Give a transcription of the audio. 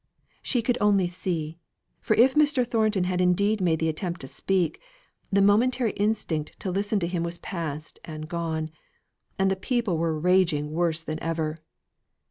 She could only see; for if Mr. Thornton had indeed made the attempt to speak, the momentary instinct to listen to him was past and gone, and the people were raging worse than ever.